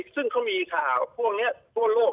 ซึ่งเขามีข่าวพวกนี้ทั่วโลก